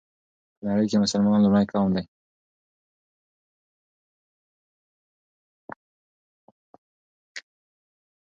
په نړۍ كې مسلمانان لومړى قوم دى